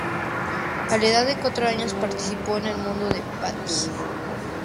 A la edad de cuatro años, participó en "El mundo de Patty.